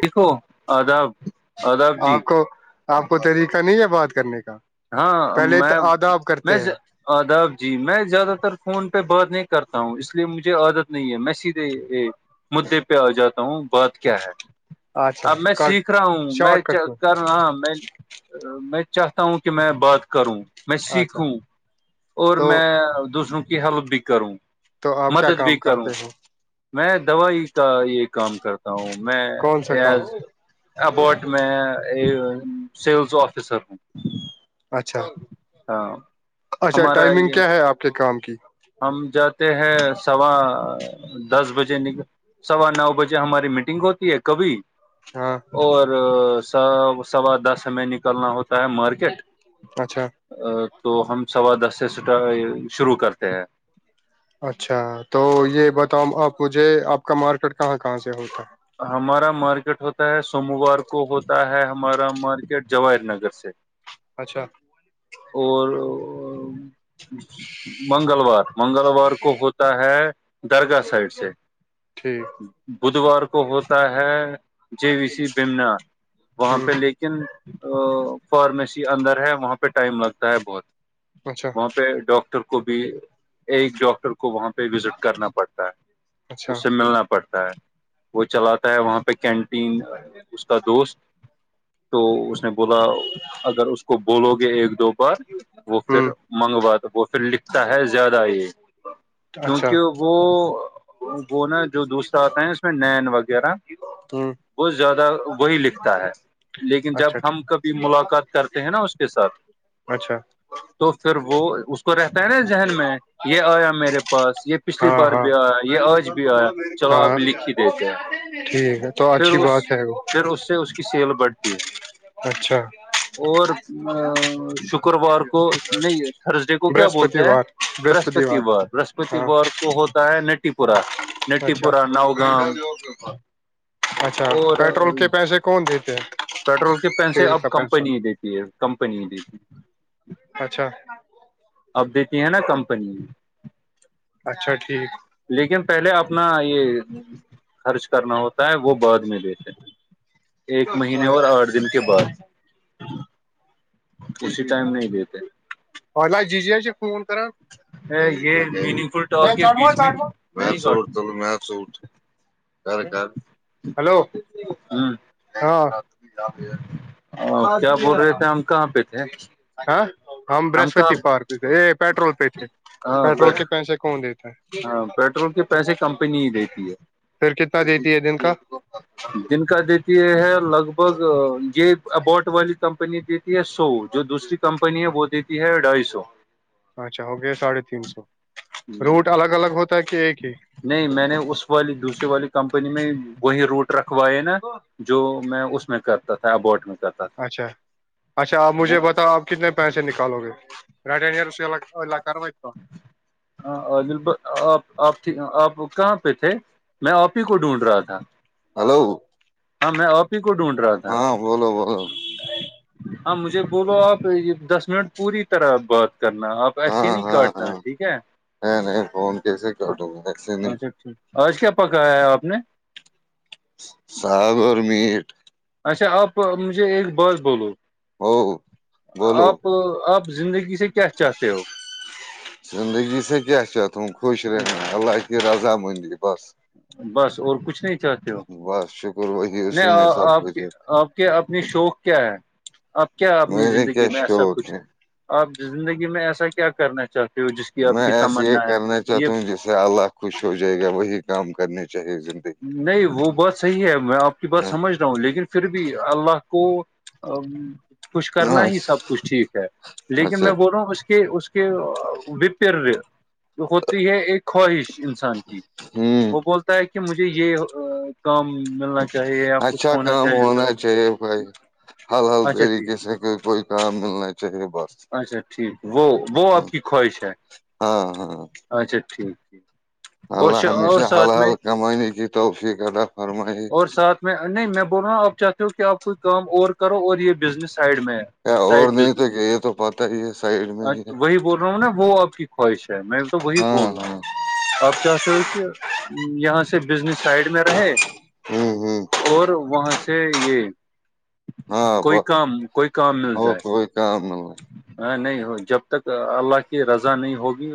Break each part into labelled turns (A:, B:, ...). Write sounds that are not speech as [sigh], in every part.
A: دیکھو آداب آداب جی
B: آپ کو آپ کو طریقہ نہیں ہے بات کرنے کا
A: ہاں
B: پہلے
A: میں
B: تو آداابپ
A: میں
B: کرتے ہیں
A: آداب جی میں زیادہ تر فون پہ باتنے کرتا ہوں اس لیے مجھے عادت نہیں ہے میں سیدھے مدے پہ آ جاتا ہوں بات کیا ہے
B: اچھا
A: اب میں
B: کٹ
A: سیکھ رہا ہوں میں
B: شارٹ کٹ
A: کر ہ میں میں چاہتا ہوں کہ میں بات کروں میں
B: اچھا
A: سیکھوں اور
B: تو
A: میں دوسروں کی ہیلپ بھی کروں
B: تو آپ کیا
A: مدد
B: کام
A: بھی کروں
B: کرتے ہو
A: میں دوائی کا یہ کام کرتا ہوں میں
B: کون سا کام
A: ایز اباٹ میں اسیلز آفیسر
B: اچھا
A: ہاں
B: اچھا
A: ہمارا
B: ٹائمنگ
A: یہ
B: کیا ہے آپ کے کام کی
A: ہم جاتے ہیں سوا دس بجے نکل سوا نو بجے ہماری میٹنگ ہوتی ہے کبھی
B: ہاں
A: اور س سوا دس میں نکلنا ہوتا ہے مارکیٹ
B: اچھا
A: ا تو ہم سوا دس سےٹ شروع کرتے ہیں
B: اچھا تو یہ بتاؤں آپ مجھے آپ کا مارکیٹ کہاں کہاں سے ہوتا ہے
A: ہمارا مارکیٹ ہوتا ہے سوموار کو ہوتا ہے ہمارا مارکیٹ جواہر نگر سے
B: اچھا
A: اور منگلوار منگلوار کو ہوتا ہے درگاہ سائڈ سے
B: ٹھیک
A: بدوار کو ہوتا ہے جے وی سی بمنا وہاں
B: ہ
A: پہ لے کے ن فارمیسی اندر ہے وہاں پہ ٹائم لگتا ہے بہت
B: اچھا
A: وہاں پہ ڈاکٹر کو بھی ایک ڈاکٹر کو کو وہاں پہ وزٹ کرنا پڑتا ہے
B: اچھا
A: اس سے ملنا پڑتا ہے وہ چلاتا ہے وہاں پہ کینٹین اس کا دوست تو اس نے بولا اگر اس کو بولو گے ایک دو بار وہ پھر
B: ہ
A: منگوا تو وہ پھر لکھتا ہے زیادہ یہ
B: اچھا
A: کیونکہ وہ وہ نا جو دوست آتا ہے اس میں نین وغیرہ
B: [inaudible]
A: وہت زیادہ وہی لکھتا ہے لیکن جب
B: اچھا
A: ہم
B: ٹھیک
A: کبھی ملاقات کرتے ہیں نا اس کے ساتھ
B: اچھا
A: تو پھر وہ اس کو رہتا ہے نا ذہن میں یہ آیا میرے پاس یہ پچھلی
B: ہاں
A: بار
B: ہاں
A: بھی آیا یہ آج بھی آیا چلو آپ لکھی دیتے ہیں پھر اس پھر اس سے اس کی سیل بڑھتی ہے
B: اچھا
A: اور ا شکروار کو نہیں تھرسڈے کو کیا
B: برہسپتی
A: بولتے ہیں
B: وار برہسپتی وار
A: برہسپتیوار
B: ہاں
A: برہسپتیوار کو اس کو ہوتا ہے نٹی پورا نٹی
B: اچھا
A: پورا نؤ گاں
B: اچھا پیٹرول کے پیسے کون دیتے ہیں
A: پیٹرول کے پیسے
B: تیل
A: اب
B: کا پیسہ
A: کمپنی ہی دیتی ہے کمپنی ہی دیتی ہے
B: اچھا
A: اب دیتی ہیں نا کمپنی
B: اچھا ٹھیک
A: لیکن پہلے اپنا یہ خرچ کرنا ہوتا ہے وہ بعد میں بیھے ایک مہینے اور آٹھ دن کے بعد اسی ٹائم نہیں دیتے
B: فلہ ججی سے فون کر
A: یہ میننگ فل ٹاک کے بیچ میں
B: میں
A: نہیں
B: سوٹ
A: ہ
B: تل میں سوٹ
A: [inaudible]
B: ہلو ہاں
A: کیا بول رہے تھے ہم کہاں پہ تھے
B: ہاں ہم برہسپتی پارک پہ تھے یہ پیٹرول پہ تھے
A: ہاں
B: پیٹرول کے پیسے کون دیتے ہیں
A: ہاں پیٹرول کے پیسے کمپنی ہی دیتی ہے
B: پھر کتنا دیتی ہے دن کا
A: جن کا دیتی یہ ہے لگ بھگ یہ ابوٹ والی کمپنی دی سو جو دوسری کمپنی ہے وہ دیتی ہے ڈھائی سو
B: اچھا ہو گیا ساڑھے تین سو روٹ الگ الگ ہوتا ہے کہ ایک ہی
A: نہیں میں نے اس والی دوسریے والی کمپنی میں وہی روٹ رکھوائے نا جو میں اس میں کرتا تھا ابوٹ میں کرتا تھا
B: اچھا اچھا آپ
A: وہ
B: مجھے بتاؤ آپ کتنے پیسے نکالو گے رٹ ہی اس سلہ الہ کرارو تو
A: ہاں عادل آپ آپ آپ کہاں پہ تھے میں آپ ہی کو ڈھونڈ رہا تھا
B: ہلو
A: ہاں میں آپ ہی کو ڈھونڈ رہا تھا
B: ہاں بولو بولو
A: ہاں مجھے بولو آپ یہ دس منٹ پوری طرح بات کرنا آپ
B: ہاں ہاں
A: ٹنا
B: ہاں
A: ٹھیک ہے
B: نہیں نہیں فون کیسے کاٹوں گا ایسے نہیں
A: اچھا ٹھیک آج کیا پکا ہے آپ نے
B: ساگگر میٹ [unintelligible]
A: اچھا آپ مجھے ایک بات بولو
B: او بولو
A: آپ آپ زندگی سے کیا چاہتے ہو
B: زندگی سے کیا کیا تم خوش رہ اللہ کی رضامندی بس
A: بس اور کچھ نہیں چاہتے ہو
B: بس شکر بھائی اسی میں سب کچھ ہے
A: کہ اپنی شوق کیا ہے اب کیا اپنی
B: میرے
A: زندگی
B: کیا
A: میں ایسا
B: شوق
A: کچھ
B: ہے
A: آپ زندگی میں ایسا کیا کرنا چاہتے ہو جس کی آپ
B: میں
A: کی
B: ایسے یہ
A: تمنا ہے
B: کرنا
A: یہ
B: چاہتا ہوں جس سے الہ خوش ہو جائے گا وہی کام کرنے چاہیے زندگی
A: نہیں وہ بات صحیح ہے میں آپ کی بات سمجھ رہا ہوں لیکن پھر بھی اللہ کو کچھ
B: ہاں
A: کرنا ہی سب کچھ ٹھیک ہے لیکن
B: اچھا
A: میں بول رہا ہوں اس کے اس کے وپر ہوتی ہے ایک خواہش انسان کی
B: ہوں
A: وہ بولتا ہے کہ مجھے یہ کام ملنا چاہے چاہیے یا کچھ
B: اچھا
A: ہونا
B: کام
A: چاہیے ای سب
B: چاہیے بھائی حل حل
A: اچھا ٹھیک
B: طریقے سے کوئی کوئی کام ملنا چاہیے بس
A: اچھا ٹھیک وہ وہ آپ کی ہوئی سے
B: ہاں ہاں
A: اچھا ٹھیک ٹھیک اور
B: اللہ
A: اور
B: ہمیشہ حل
A: ساتھ میں
B: حال کمانے کی توفیقدا
A: اور ساتھ میں نہیں میں بول رہا ہوں آپ چاہتے ہو کہ آپ کوئی کام اور کرو اور یہ بزنس سائڈ میں ہے
B: کیا اور
A: سائڈ
B: نہیں تو کہ
A: بزنس
B: یہ تو پتا ہی یہ سائڈ میں ہی ہے
A: وہی بول رہا ہوں نا وہ آپ کی خواہش ہے میں تو وہی
B: ہاں
A: بول رہا
B: ہاں
A: ہوں آپ چاہتے ہو کہ یہاں سے بزنس سائڈ میں رہے
B: ہوں ہوں
A: اور وہاں سے یہ
B: ہاںپ
A: کوئی کام
B: اوک کوئی کالہ
A: ہاں نہیں ہو جب تک اللہ کی رضا نہیں ہوگی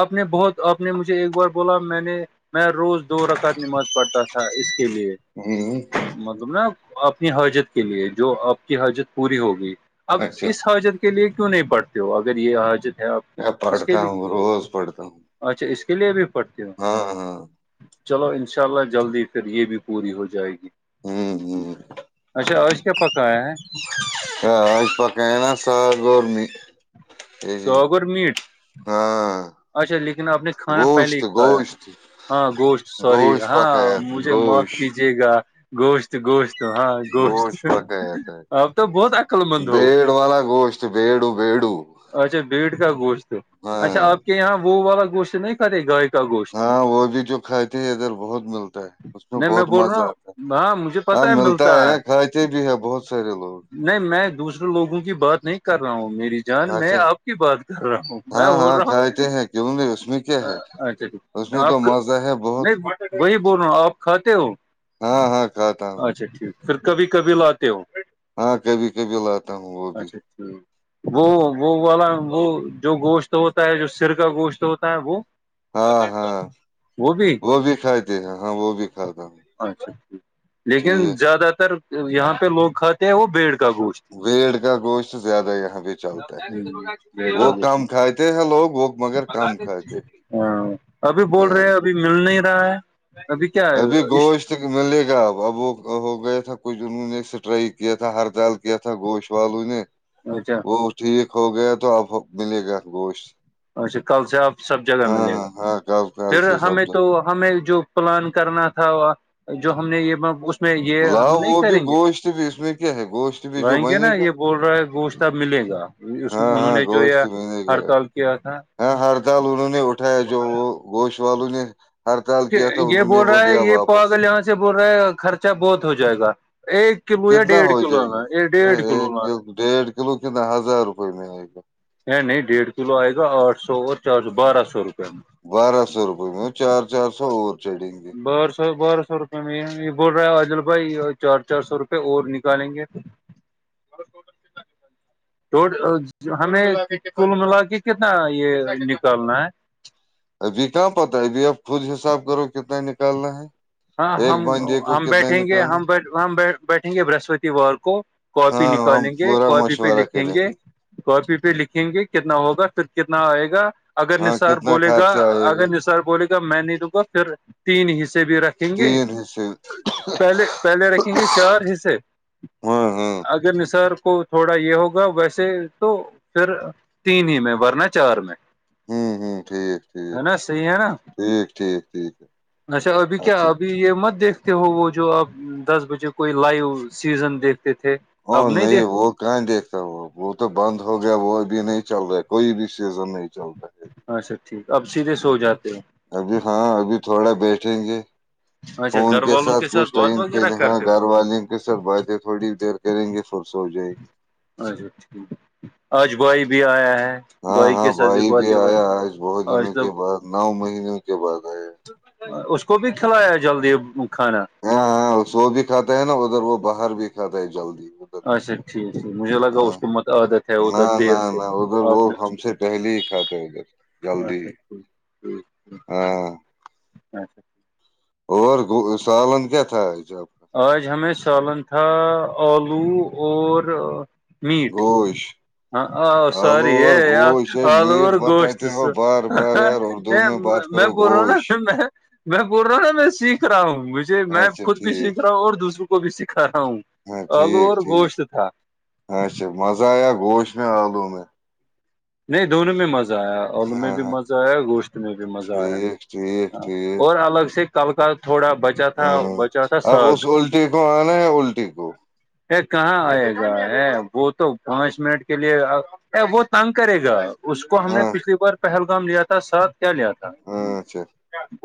A: آپ نے بہت آپ نے مجھے ایک بار بولا میں نے میں روز دو رقت نماز پڑتا تھا اس کے لیے
B: ھمم
A: مطلب نا اپنی حاجت کے لیے جو آپ کی حاجت پوری ہوگی اب
B: اچھا
A: اس حاجت کے لیے کیوں نہیں پڑھتے ہو اگر یہ حاجت ہے آپ کی
B: ا
A: اس کے
B: پڑھتا
A: لیے
B: ہوں روز پڑھتا ہوں
A: اچھا اس کے لیے بھی پڑتی ہوں
B: ہاں ہاں
A: چلو انشاء اللہ جلدی پھر یہ بھی پوری ہو جائے گی
B: ہوں ہوں
A: اچھا آج کیا پکا ہے
B: ا آ پک ن سا گورمی [unintelligible]
A: سوگ اور میٹ
B: ہاں
A: اچھا لیکن آپ نے کھانا پہلے
B: گوشت
A: ہی کھایا
B: گوشت
A: ہاں گوشت سوری
B: گوشت
A: ہاں
B: پکایا تھا
A: مجھے مف
B: گوشت
A: کیجیے گا گوشت گوشت تو ہاں گوشت
B: پکایا تھا
A: اپ تو بہت اقل مند ہو
B: بیڑ والا گوشت بیڑو بیڑو
A: اچھا بیٹ کا گوشت اچھا
B: ہاں
A: آپ کے یہاں وہ والا گوشت نہیں کھاتے گائے کا گوشت
B: ہاں وہ بھی جو کھاتی ہے ادھر بہت ملتا ہے اس میں
A: نہیں
B: بہت
A: بول رہا
B: مزہ آتا
A: ہوں ہاں مجھے
B: ہاں
A: پتا ہے
B: ملتا ہے کھاتے بھی ہے بہت سارے لوگ
A: نہیں میں دوسرے لوگوں کی بات نہیں کر رہا ہوں میری جان میں
B: کھاتے
A: آپ کی بات کر رہا ہوں میں
B: ہاں
A: بول
B: ہاں
A: رہا
B: کھاتے ہیں کیوں نہیں اس میں کیا
A: ہوں
B: ہے
A: اچھا
B: اس
A: ٹھیک
B: میں تو
A: آپ کا
B: مزہ ہے بہت
A: نہیں وہی بول رہا ہوں آپ کھاتے ہو
B: ہاں ہاں کھاتا ہوں
A: اچھا ٹھیک پھر کبھی کبھی لاتے ہو
B: ہاں کبھی کبھی لاتا ہوں وہ بھی
A: اچھا ٹھیک [inaudible] وہ وہ والا وہ جو گوشت ہوتا ہے جو سر کا گوشت ہوتا ہے وہ
B: ہاں ہاں وہ بھی کھاتی ہیں ہاں وہ بھی کھاتا ہوں
A: اچھا ٹھ لیکن
B: ٹھیک
A: زیادہ تر یہاں پہ لوگ کھاتے ہیں وہ بیڑ کا گوشت
B: ویڑ کا گوشت زیادہ یہاں پہ چلتا ہے
A: بیڑ
B: وہ
A: کا گوشت
B: کم کھاتے ہیں لوگ وہ مگر کم کھاتے ہیں
A: ہاں ابھی بول
B: ہاں
A: رہے ابھی مل نہیں رہا ہے ابھی کیا
B: ابھی
A: ہے؟
B: گوشتک ملے گا اب اب وہ ہو گیا تھا کچھ انہوں نے سٹرائی کیا تھا ہر جال کیا تھا گوش والو نے
A: اچھا
B: وہ ٹھیک ہو گیا تو اب ملے گا گوشت
A: اچھا کل سے آپ سب جگہ
B: ہاں
A: ملے گا
B: ہاں ہاں کل کل
A: پھر
B: سے سب
A: ہمیں تو
B: جگہ
A: ہمیں جو پلان کرنا تھا جو ہم نے یہ میں یہ ہم
B: لاؤ
A: نہیں
B: وہ بھی
A: کریں گے
B: گوشت بھی اس میں کیا ہے گوشت بھی جو
A: لائیں گے
B: بنے
A: نا
B: گا
A: یہ ب بول رہا ہے گوشتب ملے گا اس
B: ہاں
A: انہوں
B: ہاں
A: نے جو ہے
B: گوشت بنے گا
A: ہڑتال کیا تھا
B: ہاں ہڑتال انہوں نے اٹھایا جو وہ گوش والوں نے ہڑتال کیا تھا
A: یہ
B: انہوں نے
A: بول
B: وہ
A: رہا ہے
B: لیا
A: یہ
B: واپس
A: پاگل یہاں سے بول رہے ہے خرچہ بہت ہو جائے گا ایک کلو یا
B: کتنا
A: ڈیڑھ کلو لانا ڈیڑھ کلو لانا
B: ڈیھ کلو ک نہ ہزار روپے میں آے گا
A: نہیں ڈیھ کلو آئے گا آٹھ سو اور چار سو بارہ سو روپئے
B: بارہ سو روپے میں وہ چار چار سو اور چڑھیں گے
A: بر سر ب سر یہ بول رہا ہے ع اجل بھائی چار چار سو روپے اور نکالیں گے توٹ [inaudible] ہمیں کل ملا کے کتنا یہ نکالنا ہے
B: ابھی کہاں پتا ہے ابھی اب خود حساب کرو کتنا نکالنا ہے
A: ہاں
B: ایک
A: ہم
B: بندے کو
A: ہم
B: کتنا
A: بیٹھیں گے
B: نکالنا
A: بیٹھیں گے برہسپتی وار کو کاپی
B: ہاں ہم
A: نکالیں گے
B: پورا
A: کاپی پہ
B: مشورہ
A: لکھیں
B: کریں
A: گے کاپی پہ لکھیں گے کتنا ہوگا پھر کتنا آئے گا اگر
B: ہاں
A: نصار
B: کتنا
A: بولے گا
B: خرچہ آئے
A: اگر
B: گا
A: نصار بولے گا میں نہیں دوں گا پھر تین حصے بھی رکھ رکھیں گے
B: تین حصے
A: پہلے پہلے رکھیں گے چار حصے
B: ہاں ہاں
A: اگر نصار کو تھوڑا یہ ہوگا ویسے تو پھر تین ہی میں ورنہ چار میں
B: ہوں ہوں ٹھیک
A: ہے
B: ٹھیک
A: نا صحیح ہے نا
B: ٹھیک ٹھیک ٹھیک ہے
A: اچھا ابھی کیا
B: اچھا [unintelligible]
A: ابھی یہ مت دیکھتے ہو وہ جو اب دس بجے کوئی لائیو سیزن دیکھتے تھے اب
B: ہاں نہیں
A: دیکھتے
B: وہ کہاں دیکھتا وہ وہ تو بند ہو گیا وہ اب نہیں چل رہا کوئی بھی سیزن نہیں چل رہا
A: اچھا ٹھیک اب سیدھے سو
B: ہے
A: جاتے ہیں
B: ابھی ہاں ابھی تھوڑا بیٹھیں گے
A: اچھا
B: ان
A: گھر
B: کے
A: والوں
B: ساتھ کچھ
A: بات
B: ٹائم
A: وغیرہ
B: کےلاں
A: کرتے
B: گھر والے سر باتیں تھوڑی دیر کریں گے فرس ہو جائے
A: اچھا ٹھیک آجوائی بھی آیا ہے
B: ہاں
A: کے
B: ہاں
A: ساتھ
B: بھائی بھی
A: باتیں اور
B: آیا آج بہت دنوں کے
A: مطلب
B: بعد نو مہینوں کے بعد آیا
A: اس کو بھی کھلایا جلدی کھانا
B: ہاں ہاں سو بھی کھاتا ہے نا ادھر وہ باہر بھی کھاتا ہے جلدی ادھر
A: عاشق مجھے لگا اس
B: ہاں
A: کو مت عادت ہے
B: نہ
A: ادھر دیر
B: نہ
A: سے
B: نہ ادھر
A: اپ
B: وہ
A: نے اس
B: ہم سے پہلے ہی کھاتے ادھر جلدی
A: اچھا ٹھیک
B: ہاں
A: اچھا
B: اور سالن کیا تھا جب
A: آج ہمیں سالن تھا آلو اور
B: گوش
A: ہاں
B: آلو
A: ساری
B: اور گوش یہ
A: آل
B: میٹ
A: اوور
B: بتاتے
A: گوشس
B: ہو بار بار یار اردو بات
A: میں
B: کرو
A: بول رہا ہ
B: گوش
A: نا میں میں بول رہا ہ نا میں سیکھ رہا ہوں مجھے میں
B: اچھا
A: خود بھی
B: ٹھیک
A: سیکھ رہا ہوں اور دوسروں کو بھی سکھا رہا ہوں
B: ہاں
A: آلو
B: ٹھیک
A: اور
B: ٹھیک
A: گوشت تھا
B: اچھا مزہ آیا گوش میں آلوں میں میں
A: نہیں دونوں میں مزہ آیا اور میں
B: ہاں
A: بھی
B: ہاں
A: مزہ آیا گوشت میں بھی مزہ آیا
B: ٹھیک ٹھیک ٹھیک
A: اور الگ سے کل کال تھوڑا بچا تھا
B: ہاں
A: بچا تھا
B: اب
A: ساگ
B: اس الٹی کو آنا ہے الٹی کو
A: کہاں آئے گا ہے وہ تو پانچ منٹ کے لیے وہ تنگ کرے گا اس کو ہم نے
B: ہاں
A: پچھلی بار پہلگام لیا تھا ساتھ کیا لیا تھا
B: ہاں، اچھا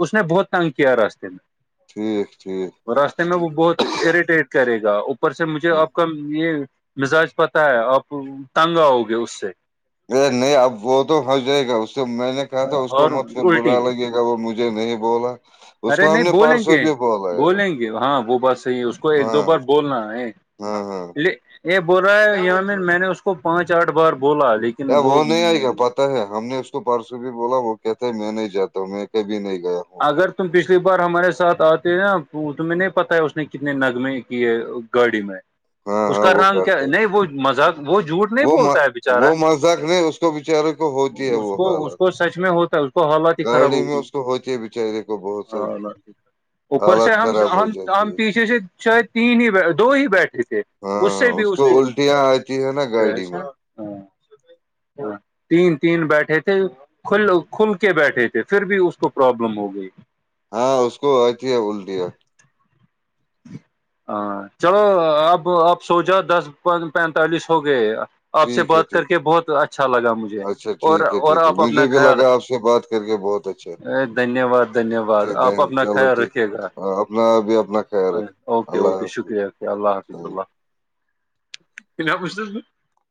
A: اس نے بہت تنگ کیا راستے میں
B: ٹھیک ٹھیک
A: راستے میں وہ بہت اریٹیٹ کرے گا اوپر سے مجھے آپ کا یہ مزاج پتہ ہے آپ تنگ آؤ گے اس سے
B: ا نہیں اب وہ تو ہنس جائے گا اس سے میں نے کہا تھا اس کو
A: اور
B: مت پھر
A: الٹی
B: بلا لگے گا وہ مجھے نہیں بولا اس
A: ارے
B: کو ہم
A: نہیں
B: نے
A: بولیں
B: پرسوں
A: گے
B: بھی بولا ہے
A: بولیں گے ہاں وہ بات صحیح ہے اس کو ایک دو
B: ہاں
A: بار بولنا ہے
B: ہاں ہاں
A: ل یہ بول رہا ہے یامین میں نے اس کو پانچ آٹھ بار بولا لیکن
B: وہ نہیں آئے گا پ ہے ہم نے اس کو پارس بھی بولا وہ کہتا ہے میں نہیں جا ہوں میں کبھی نہیں گیا ہوں
A: اگر تم پچھلی بار ہمارے ساتھ آتے ہو نا تو تمہیں نہیں پتا ہے اس نے کتنے نغمے کیے گاڑی میں
B: ہاں
A: اس
B: ہاں
A: کا
B: وہ
A: رنگ کیا
B: کرتے
A: نہیں وہ مذہق وہ جھوٹ نہیں
B: وہ
A: بولتا
B: م-
A: ہے بچارا
B: وہ مذاق نہیں اس کو بچارے کو ہوتی ہے
A: اس
B: وہ
A: کو اس
B: حالت
A: کو سچ میں ہوتا ہے اس کو حالات ہی خراب ہوئی
B: تو ہو جیائے بچارے کو بہت
A: ہ
B: ساری
A: اوپر سے
B: حالت
A: ہم
B: خراب ہو
A: ہم
B: جاتی
A: ہم
B: ہے اس کی
A: پیچھے سے شاید تین ہی دو ہی بیٹھے تھے
B: ہاں اس کو الٹیاں آتی ہے نا گاڑی میں
A: [unintelligible] تین تین بیٹھے تھے کل کھل کے بیٹھے تھے پھر بھی اس کو پرابلم لم ہو گئی
B: ہاں اس کو اتی ہے بولٹی ہے
A: [inaudible] ہاں چلو اب آپ سو جا دس پینتالیس ہو گئے آپ سے
B: ٹھیک ہے
A: بات کر
B: ٹھیک
A: کے بہت اچھا لگا مجھے
B: اچھا
A: اور
B: ٹھیک ہے
A: اور
B: ٹھیک ہے
A: آپ اپنا
B: مجھے بھی
A: خیال
B: لگا آپ سے بات کر کے بہت اچھا
A: ا دن دھن واد دھنیہ واد
B: ٹھیک ہے
A: آپ اپنا
B: چلو
A: خیال
B: ٹھیک
A: رکے گا
B: اپنا بھی اپنا خیال رکھ
A: اوکے
B: اللہ
A: اوکے شکریہ اللہ حافظ اللہ پوچھ